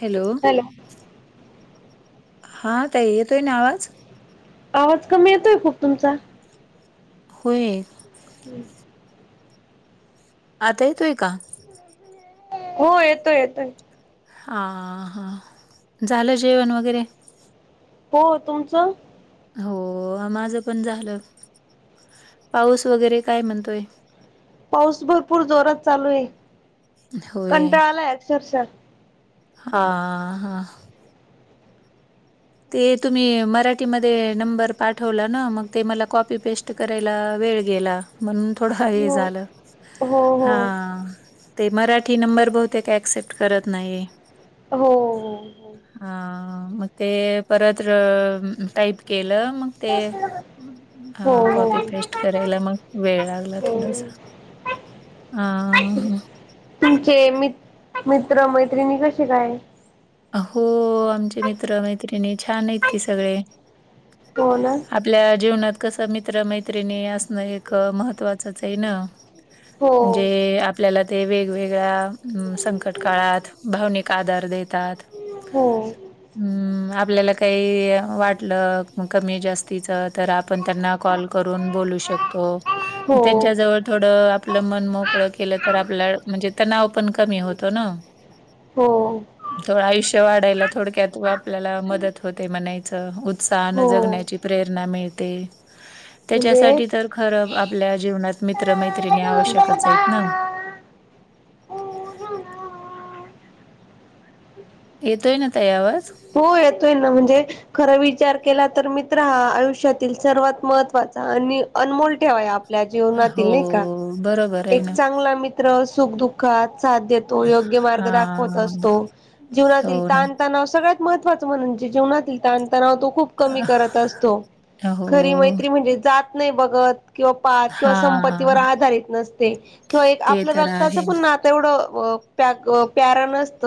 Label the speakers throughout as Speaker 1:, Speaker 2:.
Speaker 1: Hello.
Speaker 2: Hello.
Speaker 1: हां ताई येतोय ना आवाज?
Speaker 2: आवाज कमी येतोय खूप तुमचा.
Speaker 1: होय.
Speaker 2: हम्म.
Speaker 1: आता येतोय का?
Speaker 2: हो येतोय येतोय.
Speaker 1: हा हा झालं जेवण वगैरे?
Speaker 2: हो तुमचं.
Speaker 1: हो माझं पण झालं. पाऊस वगैरे काय म्हणतोय?
Speaker 2: पाऊस भरपूर जोरात चालू आहे.
Speaker 1: होय
Speaker 2: कंटाळाला अक्षरशः
Speaker 1: हा हा. ते तुम्ही मराठीमध्ये नंबर पाठवला ना मग ते मला कॉपी पेस्ट. करायला वेळ गेला म्हणून थोडं हे
Speaker 2: हो
Speaker 1: झालं
Speaker 2: हो
Speaker 1: हा. ते मराठी नंबर बहुते का ऍक्सेप्ट करत नाही.
Speaker 2: हो.
Speaker 1: हा मग ते परत टाईप केलं मग. ते
Speaker 2: हो
Speaker 1: ह कॉपी
Speaker 2: हो
Speaker 1: पेस्ट करायला मग वेळ लागला थोडस.
Speaker 2: हो
Speaker 1: [unintelligible]
Speaker 2: तुमचे मित्र मैत्रिणी कसे काय?
Speaker 1: हो आमचे मित्र मैत्रिणी छान आहेत की सगळे.
Speaker 2: होना.
Speaker 1: आपल्या जीवनात कसं मित्र मैत्रिणी असणं एक महत्वाचंच आहे ना.
Speaker 2: हो
Speaker 1: म्हणजे. आपल्याला ते वेगवेगळ्या संकट काळात भावनिक आधार देतात.
Speaker 2: हो.
Speaker 1: हम्म आपल्याला काही वाटलं कमी जास्तीच तर. [inaudible] त्यांना कॉल करून बोलू शकतो
Speaker 2: हो
Speaker 1: त्यांच्या जवळ थोडं. आपलं मन मोकळं केलं तर आपल्या म्हणजे तणाव पण कमी होतो ना.
Speaker 2: हो.
Speaker 1: त आयुष्य वाढायला थोडक्यात आपल्याला मदत होते म्हणायचं उत्साहानं
Speaker 2: हो
Speaker 1: जगण्याची. प्रेरणा मिळते.
Speaker 2: म्हणजे
Speaker 1: त्याच्यासाठी तर खरं आपल्या जीवनात मित्र मैत्रिणी आवश्यकच आहेत ना. येेतो ये ना ताई आवाज?
Speaker 2: हो येतोय ना म्हणजे खरं विचार केला तर मित्र हा आयुष्यातील सर्वात महत्त्वाचा. आणि अनमोल ठेवाया. आपल्या
Speaker 1: हो,
Speaker 2: जीवनातील नाही का
Speaker 1: बरोबर आहे
Speaker 2: एक
Speaker 1: ना.
Speaker 2: चांगला मित्र सुख दुखात साथ देतो. योग्य मार्ग दाखवत
Speaker 1: हां,
Speaker 2: असतो जीवनातील
Speaker 1: हो ना.
Speaker 2: ताण तणाव सगळ्यात. महत्वाचं म्हणजे जेवाततील ताण तणाव तो खूप. कमी करत असतो
Speaker 1: हो,
Speaker 2: खरी मैत्री म्हणजे जात नाही बघत किंवा. वाद किंवा संपत्तीवर
Speaker 1: हां,
Speaker 2: आधारित नसते किंवा
Speaker 1: ते
Speaker 2: आपलं
Speaker 1: तर
Speaker 2: रक्ताच
Speaker 1: आहे.
Speaker 2: पण नातं नसतं. तेवढं प्यारा नसत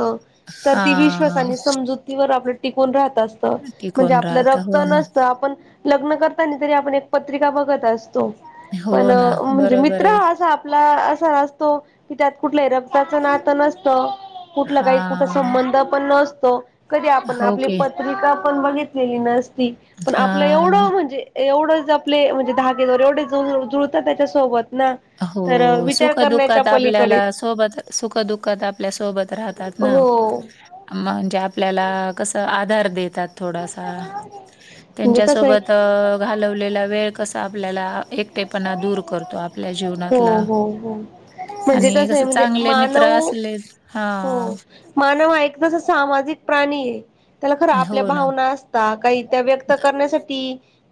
Speaker 2: तर ती
Speaker 1: हां,
Speaker 2: विश्वासा समजूत. आपलं टिकून राहत असत म्हणजे
Speaker 1: टिकून
Speaker 2: आपलं
Speaker 1: राहतं.
Speaker 2: रक्त
Speaker 1: हो ना,
Speaker 2: नसतं आपण. लग्न करतानी तरी आपण एक पत्रिका बघत असतो पण
Speaker 1: हो ना,
Speaker 2: म्हणजे
Speaker 1: बरोबर
Speaker 2: मित्र
Speaker 1: आहे.
Speaker 2: असा. आपला असा असतो. की त्यात कुठलं रक्ताचं नातं नसतं कुठलं काही कुठ
Speaker 1: हां,
Speaker 2: संबंध पण नसतो. कधी आपण आपली
Speaker 1: ओके.
Speaker 2: पत्रिका पण बघितलेली नसती पण आपलं
Speaker 1: हां.
Speaker 2: एवढं म्हणजे. एवढंच आपले म्हणजे धागेजर एवढे जु जुळतात त्याच्यासोबत ना.
Speaker 1: हो
Speaker 2: तर विचार करण्याच्या
Speaker 1: सुखदुःखात आपल्याला
Speaker 2: पलीकडेच
Speaker 1: सोबत सुखदुःखात आपल्या सोबत राहतात. ना.
Speaker 2: हो.
Speaker 1: म्हणजे आपल्याला कसं आधार देतात. थोडासा
Speaker 2: म्हणजे
Speaker 1: त्यांच्या
Speaker 2: कसं
Speaker 1: सोबत
Speaker 2: आहे
Speaker 1: घालवलेला वेळ कसा आपल्याला एक. तेपणा दूर करतो आपल्या
Speaker 2: हो
Speaker 1: जीवनातला.
Speaker 2: हो हो म्हणजे
Speaker 1: आणि
Speaker 2: कसं
Speaker 1: कस
Speaker 2: आहे म्हणजे
Speaker 1: चांगले मित्र
Speaker 2: मानव
Speaker 1: असले हा.
Speaker 2: हो मानव आहेक तस सामाजिक प्राणी आहे त्याला खर आपल्या
Speaker 1: हो ना.
Speaker 2: भावना अस. काही त्या व्यक्त करण्यासाठी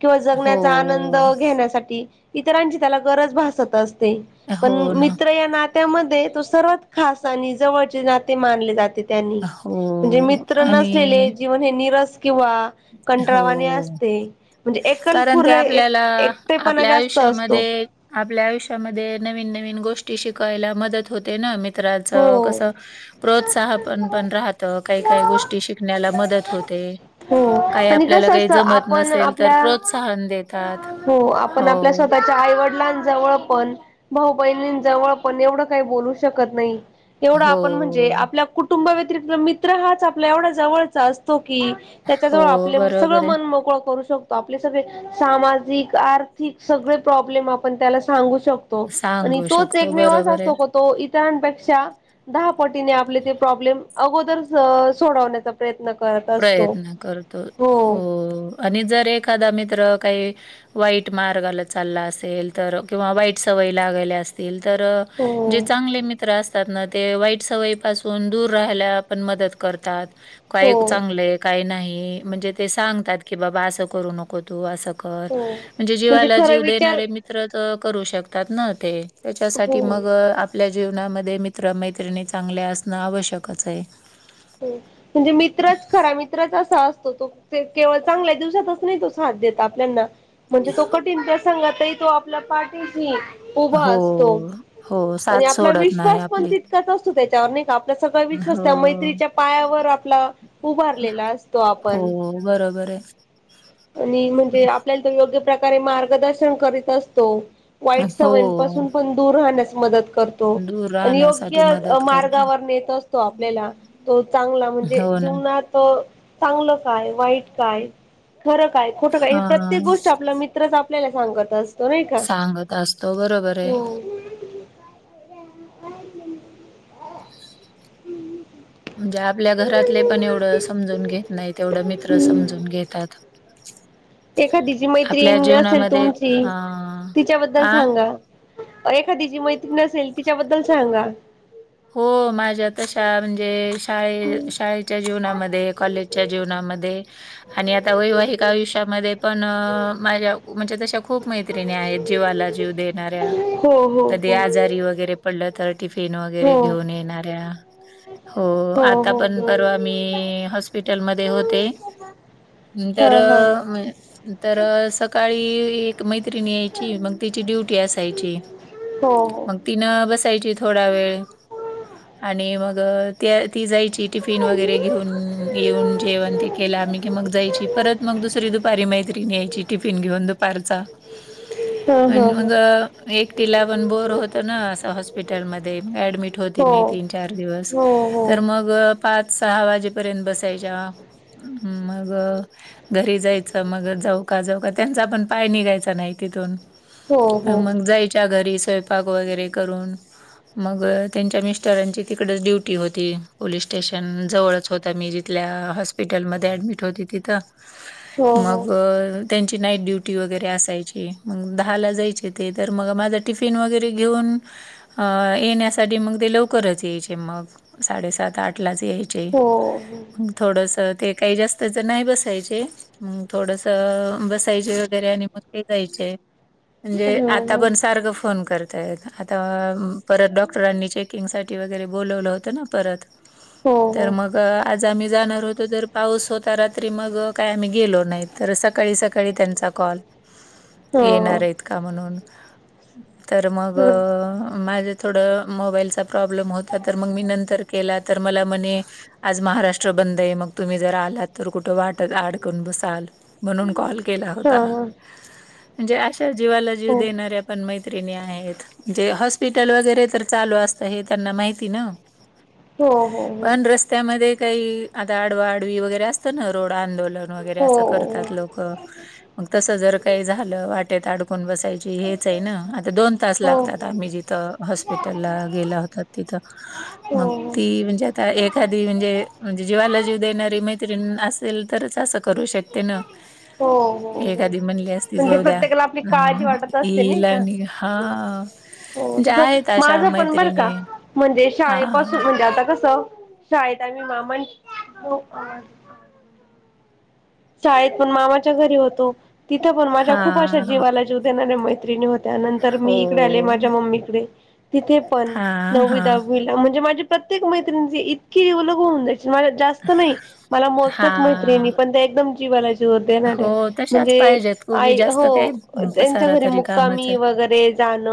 Speaker 2: किंवा
Speaker 1: हो,
Speaker 2: जगण्याचा आनंद घेण्यासाठी. इतरांची त्याला गरज भासत असते पण मित्र या ना त्यामध्ये तो सर्वात खास आणि जवळचे नाते मानले जाते. त्यांनी
Speaker 1: हो
Speaker 2: म्हणजे मित्र
Speaker 1: आणि
Speaker 2: नसलेले जीवन हे निरस किंवा कंटरावानी
Speaker 1: हो.
Speaker 2: असते म्हणजे एकल खुर एकटेपणा जास्
Speaker 1: म आपल्या आयुष्यामध्ये नवीन नवीन गोष्टी शिकायला मदत होते ना म चत्राच
Speaker 2: हो
Speaker 1: कसं. प्रोत्साह पण पण राहत काही काही गोष्टी शिकण्याला मदत होते.
Speaker 2: हो
Speaker 1: काही
Speaker 2: आणि
Speaker 1: आपल्याला
Speaker 2: कसं
Speaker 1: काही
Speaker 2: असत
Speaker 1: जमत
Speaker 2: आपण
Speaker 1: नसेल तर
Speaker 2: आपल्या.
Speaker 1: प्रोत्साहन देतात.
Speaker 2: हो आपण आपल्या
Speaker 1: हो.
Speaker 2: स्वतःच्या आईवडिलां जवळ. पण भाऊ बहिणी जवळ पण एवढं काही बोलू शकत नाही. तेवढा
Speaker 1: हो,
Speaker 2: आपण म्हणजे आपल्या कुटुंबव्यतिरिक्त मित्र हाच आपला एवढा जवळचा असतो की त्याच्याजवळ
Speaker 1: हो.
Speaker 2: आपले सगळं
Speaker 1: बरोबर आहे.
Speaker 2: मन मोकळं करू शकतो. आपले सगळे सामाजिक आर्थिक सगळे प्रॉब्लेम आपण त्याला सांगू शकतो. आणि
Speaker 1: सांगू
Speaker 2: तोच
Speaker 1: शकतो
Speaker 2: एकमेवच
Speaker 1: बरोबर आहे.
Speaker 2: असतो. तो इतरांपेक्षा दहा पटीने आपले ते प्रॉब्लेम अगोदरच सोडवण्याचा. प्रयत्न कर.
Speaker 1: प्रयत्न करतो हो आणि जर एखादा मित्र काही. वाईट मार्गाला चालला असेल तर किंवा वाईट सवयी लागायल्या असतील. अस तर
Speaker 2: हो
Speaker 1: जे चांगले मित्र अस. वाई सवयी पाून दू रालाण मदत करतात का.
Speaker 2: हो.
Speaker 1: का नाही म्हणजे ते सांगतात की बाबा असं करू नको. तू असं कर
Speaker 2: हो
Speaker 1: म्हणजे जीवाला
Speaker 2: खरा
Speaker 1: जीव
Speaker 2: विचार
Speaker 1: देणारे मित्र तर करू शकतात ना ते.
Speaker 2: हो
Speaker 1: त्याच्यासाठी मग आपल्या जीवनामध्ये मित्र मैत्रिणी चांगले असणं आवश्यकच आहे.
Speaker 2: म्हणजे मित्रच खरा मित्रच असा असतो तो. केव चांगल्या दिवसातच नाही तो साथ देत आपल्याना म्हणजे तो कठींेट सांग तो. आप पाठीशी उभा
Speaker 1: हो,
Speaker 2: असतो
Speaker 1: हो,
Speaker 2: आणि
Speaker 1: साथ
Speaker 2: आपला
Speaker 1: सोडत नाही
Speaker 2: विश्वास पण
Speaker 1: आपली.
Speaker 2: तितकाच असतो. त्याच्यावर आपल्या सगळ विश्स
Speaker 1: हो,
Speaker 2: त्या मै्री. पायावर आपला उभारलेला असतो आपण.
Speaker 1: हो बरोबर आह
Speaker 2: आणि म्हणजे आपल्याला त योग्य प्रकारे मार्गदर्शन करीत असतो. वाईट सवयींपासून
Speaker 1: हो.
Speaker 2: पण दूर राहण्यास मदत करतो.
Speaker 1: दूर
Speaker 2: त आणि
Speaker 1: राहण्यासाठी
Speaker 2: योग्य
Speaker 1: मदत करतो.
Speaker 2: मार्गावर नेत असतो आपल्याला तो चांगला म्हणजे
Speaker 1: हो ना.
Speaker 2: जीवनात. त चांगलं काय वाईट काय? खरं काय खोटं काय हे प्रत्येक
Speaker 1: हां.
Speaker 2: गोष्ट आपला मित्रच आपल्याला सांगतच. त नाहीही का
Speaker 1: सांगत असतो बरोबर आहे.
Speaker 2: हो.
Speaker 1: म्हणजे आपल्या घरातले पण एवढं समजून घेत नाहीत तेवढं मित्र समजून घेतात. [inaudible]
Speaker 2: एखादी जी
Speaker 1: आपल्या
Speaker 2: मैत्रीिण असेल
Speaker 1: जीवनामध्ये
Speaker 2: तुमची
Speaker 1: हां.
Speaker 2: तिच्याबद्दल
Speaker 1: आ?
Speaker 2: सांगा. एखादी जी मैत्री नसेल तिच्याबद्दल सांगा.
Speaker 1: हो माझ्या तशा म्हणजे शाळे शाळेच्या जीवनामध्ये कॉलेजच्या जीवनामध्ये आणि आता वैवाहिक आयुष्यामध्ये पण माझ्या म्हणजे तशा खूप मै मैत्रिणी आहेत जीवाला जीव देणाऱ्या
Speaker 2: हो हो
Speaker 1: कधी
Speaker 2: हो
Speaker 1: आजारी वैगेरे पडलं तर टिफिन वगैरे
Speaker 2: हो.
Speaker 1: घेऊन येणाऱ्या. हो आता
Speaker 2: हो
Speaker 1: पण
Speaker 2: हो
Speaker 1: परवा मी हॉस्पिटलमध्ये होते.
Speaker 2: हा
Speaker 1: तर
Speaker 2: हा
Speaker 1: मी तर सकाळी एक मैत्रिणी यायची मग तिची ड्युटी असायची
Speaker 2: हो हो
Speaker 1: मंग तीन बसायची थोडा वेळ. आणि मग त्या ती जायची ती टिफिन वगैरे घेऊन येेऊन जेवण ते केलं आम्ही की मग जायची परत मग दुसरी दुपारी मैत्रीण यायची. टिफिन घेऊन दुपारचा
Speaker 2: हा हा
Speaker 1: आणि
Speaker 2: हा
Speaker 1: मग एक टीला पण बोर होत न अस हॉस्पिटलमध्ये ऍडमिट मीट होती
Speaker 2: हो
Speaker 1: मी तीन चार दिवस
Speaker 2: हो हो
Speaker 1: तर मग पाच सहा वाजेपर्यंत बसायच्या हम्म मग घरी जायचं मग जाऊ का जाऊ का त्यांचा पण पाय निघायचा नाही तिथून.
Speaker 2: हो हो
Speaker 1: मग जायच्या घरी स्वयंपाक वगैरे करून मग त्यांच्या मिस्टरांची तिकडच ड्युटी होती पोलीस स्टेशन जवळच होत्या मी जिथल्या हॉस स्पिटलमध्ये ॲडमिट होती तिथं
Speaker 2: हो हो हो
Speaker 1: मग त्यांची नाईट ड्युटी वगैरे असायची मग दहाला जायचे ते तर मग माझा टिफिन वगैरे घेऊन हा येण्यासा साठी मग ते लवकरच यायचे मग साडेसात आठ लाच यायचे
Speaker 2: हो हो हो
Speaker 1: म
Speaker 2: हो
Speaker 1: थोडंसं ते काही जास्तच नाही बसायचे. मंग थोडस बसायचे वगैरे आणि मग ते जायचे.
Speaker 2: हा हा
Speaker 1: म्हणजे
Speaker 2: हा
Speaker 1: आता
Speaker 2: हा
Speaker 1: पण सारखं फोन करताय आता परत डॉक्टरांनी चेक चेकिंग साठी वगैरे बोलवलं होत न परत तर मग आज आम्ही जाणार होतो तर पाऊस होता रात्री मग काय आम्ही गेलो नाही तर सका सकाळी सकाळी त्यांचा कॉल. येणार आहेत का म्हणून तर मग माझं थोडं मोबाईलचा प्रॉब्लेम होता तर मग मी नंतर केला तर मला म्हणे आज महाराष्ट्र बंद आहे, मग तुम्ही जर आलात तर कुठं वाटत आडकून बसाल. म्हणून कॉल केला होता, म्हणजे अशा जीवाला जीव
Speaker 2: हो
Speaker 1: देणाऱ्या पण मैत्रिणी आहेत, जे म्हणजे हॉस्पिटल वगैरे तर चालू असते, हे त्यांना माहिती न
Speaker 2: हो हो हो हो हो
Speaker 1: पण रस त्या मध्ये काही आता आडवाडवी वगैरे असतं न रोड आंदोलन वगैरे असं करतात लोक. मग तस जर काही झालं वाटेत अडकून बसायची हेच आहे न आता दोन तास
Speaker 2: हो
Speaker 1: लागतात आम्ही जिथ त हॉस्पिटला गेला होतात तिथ
Speaker 2: हो
Speaker 1: मग ती म्हणजे एखादी म्हणजे म्हणजे जीवाला जीव देणारी मैत्रीण असेल तरच असं करू शकते न.
Speaker 2: हो हो
Speaker 1: एखादी म्हणली असती
Speaker 2: म्हणजे
Speaker 1: जाऊद्या
Speaker 2: प्रत्येकाला आपली काळजी
Speaker 1: हम्म
Speaker 2: वाटत असते नाही
Speaker 1: इला
Speaker 2: का
Speaker 1: निका हा जे आहेत.
Speaker 2: माझ
Speaker 1: अशा
Speaker 2: पण बर का
Speaker 1: मैत्रिणी
Speaker 2: म्हणजे
Speaker 1: हा
Speaker 2: शाळेपासून आता कस शाळेत आम्ही मामाची शाळेत पण मामाच्या घरी होतो, तिथं पण माझ्या
Speaker 1: हा
Speaker 2: खूप अशा
Speaker 1: हा
Speaker 2: जीवाला जीव देणाऱ्या मैत्रिणी होत्या त्यानंतर मी इकडे आले
Speaker 1: हो
Speaker 2: माझ्या मम्मीकडे तिथे पण
Speaker 1: हा
Speaker 2: नवी
Speaker 1: हा
Speaker 2: दहावी म्हणजे माझी प्रत्येक मैत्रणी जी इतकी जीवलग होऊन जायची मला जास्त नाही. मला
Speaker 1: हा
Speaker 2: मोजक्याच मैत्रिणी पण एकदम जीवाला जी व देणाऱ्या.
Speaker 1: हो तशाच
Speaker 2: म्हणजे
Speaker 1: पाहिजेत उगी
Speaker 2: आई
Speaker 1: जास्त
Speaker 2: हो
Speaker 1: काही अं,
Speaker 2: त्यांच्या
Speaker 1: पसारा
Speaker 2: घरी
Speaker 1: तरी कामाचा
Speaker 2: मुक्कामी
Speaker 1: आहे.
Speaker 2: वगैरे जाण,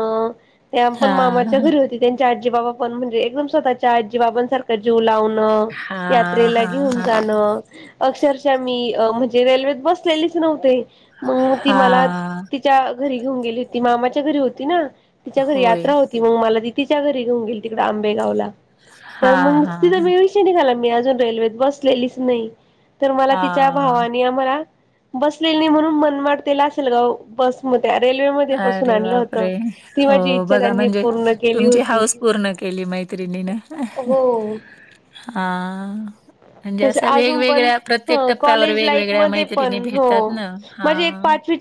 Speaker 2: त्या पण
Speaker 1: हा
Speaker 2: मामाच्या घरी [inaudible] त्यांचे आजीबाबा पण म्हणजे एकदम स्वतःच्या आजीबाबांसारखं जीव लावणं
Speaker 1: हा
Speaker 2: यात्रेला
Speaker 1: हा
Speaker 2: घेऊन
Speaker 1: हा
Speaker 2: जाणं. अक्षरशः मी म्हणजे रेल्वेत बसलेलीच नव्हते. मग ती मला
Speaker 1: हा
Speaker 2: च्या घरी घेऊन गेली होती. मामाच्या घरी होती ना, तिच्या घरी
Speaker 1: होय
Speaker 2: यात्रा होती. ती मग मला ती तिच्या घरी घेऊन गेल तिकडडे आंबेगावला
Speaker 1: हा
Speaker 2: तर मग
Speaker 1: हा
Speaker 2: तिथं
Speaker 1: हा
Speaker 2: मळ [inaudible] बला [inaudible]
Speaker 1: हा
Speaker 2: [inaudible] मला बसले नाही म्हणून मन मटतेला असेल [inaudible] ग बसमध्ये रेल्वेमध्ये बसून
Speaker 1: अरे
Speaker 2: आणलं होत
Speaker 1: बापरे
Speaker 2: ती माझी
Speaker 1: हो
Speaker 2: इच्छा
Speaker 1: बघा
Speaker 2: त्यांनी
Speaker 1: म्हणजे
Speaker 2: पूर्ण केली
Speaker 1: तुमची
Speaker 2: होती.
Speaker 1: हाऊस पूर्ण केली मैत्रिणी ना
Speaker 2: हो
Speaker 1: हा. म्हणजे,
Speaker 2: तसे
Speaker 1: असं
Speaker 2: अजून पण
Speaker 1: वेगवेगळ्या प्रत्येक
Speaker 2: ह
Speaker 1: टप्प्यावर
Speaker 2: कॉलेज लाईफ
Speaker 1: वेगवेगळ्या
Speaker 2: मध्ये
Speaker 1: मैत्रिणी भेटतात ना हा.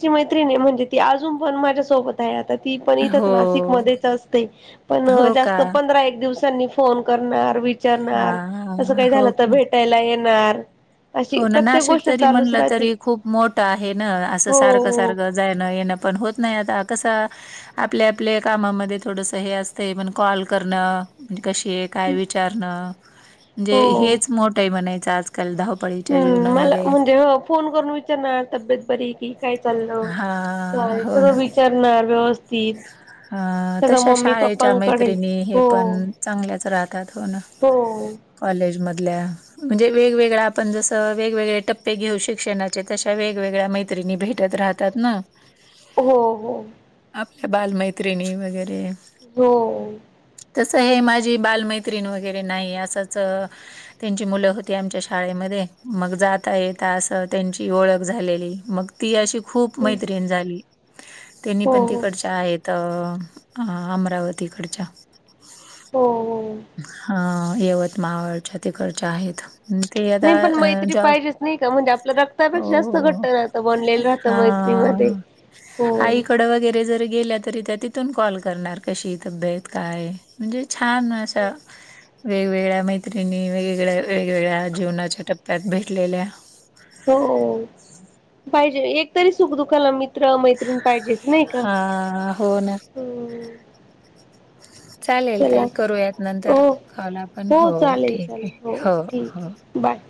Speaker 2: [inaudible] मैति म्हणजे ती अजून पण माझ्या सोबत आहे आता ती पण इथच
Speaker 1: हो.
Speaker 2: नाशिक ममध्येच असते. पण
Speaker 1: हो का?
Speaker 2: जास्त पंधरा एक दिवसांनी फोन करणार, विचारणार अससं
Speaker 1: हां.
Speaker 2: काही झालं
Speaker 1: हो
Speaker 2: तर
Speaker 1: की.
Speaker 2: भेट त्याला येणार.
Speaker 1: हो ना, नाशिक
Speaker 2: गोष्ट
Speaker 1: तरी
Speaker 2: चालूच
Speaker 1: म्हणलं
Speaker 2: राहते
Speaker 1: तरी खूप मोठं आहे ना. असं सारखं
Speaker 2: हो
Speaker 1: सारखं जाण येणं पण होत नाही आता कसं. आपल्या आपल्या कामामध्ये थोडस हे असत पण कॉल करणं म्हणजे कशी एक [inaudible] काणच
Speaker 2: हो
Speaker 1: मो [inaudible] म्ह
Speaker 2: हम्म.. मला म्हणजे, हो. फोन करून विचारणार तब्येत बरी की काय चाललं
Speaker 1: हां.
Speaker 2: काय
Speaker 1: हो ना.
Speaker 2: सगळं विचारणार व्यवस्थ तीन.
Speaker 1: अ तशा शाळेच्या मैत्रिणी हे पण चांगल्याच राहतात होनं.
Speaker 2: [inaudible] होन
Speaker 1: कॉलेजमधल्या. म्हणजे वेगवेगळ आपण जसं, वेगवेगळे टप्पे घेऊ शिक्षणाचे तशा वेगवेगळ्या मैत्रिणी भेटत राहत. त्याात ना
Speaker 2: हो. हो.
Speaker 1: आपल्या बालमैत्रिणी वगैरे
Speaker 2: हो.
Speaker 1: [inaudible] तस हे माझी बालमैत्रीिण वगैरे नाही असंच त्यांची मुलं होती आमच्या शाळेमध्ये, मग जाता येेत असं त्यांची ओळख झालेली मग. ती अशी खूप [inaudible] मैत्र्रीण झाली त्यांनी पण [inaudible] त
Speaker 2: हो हो
Speaker 1: आहेत अमरावतीकडच्या.
Speaker 2: हो. हो.
Speaker 1: हा यवतमावळच्या तिकडच्या आहेत. ते आता
Speaker 2: नाही पण
Speaker 1: अ [inaudible]
Speaker 2: मैत्री
Speaker 1: जॉ
Speaker 2: पाहिजेच नाही का म्हणजे आपल्या रक्तापेक्षा जास्त
Speaker 1: हो.
Speaker 2: घट्ट राहतं बनलेलं राहतं
Speaker 1: हा
Speaker 2: मैत्रीमध्ये हो
Speaker 1: आईकड वगैरे जर गेल्या [inaudible] त त्या तिथून कॉल करणार कशी तब्येत काय म्हणजे छान अस. वेगवेगळ्या मैत्रिणी वेगगळ्या, वेगवेगळ्या जीवनाच्या टप्प्या त्यात भेटलेल्या [inaudible] आहे
Speaker 2: हो पाहिजे, एकतरी सुख दुखाला मी त मैत्रीिण पाहिजेच नाही का.
Speaker 1: हां, हो ना. चालेल
Speaker 2: चला
Speaker 1: तई करूयात नंतर
Speaker 2: हो
Speaker 1: खाऊला पण हो.
Speaker 2: चालेल
Speaker 1: ठीक
Speaker 2: चालेल
Speaker 1: आहे हो..
Speaker 2: ठीक
Speaker 1: हो..
Speaker 2: आहे बाय [inaudible]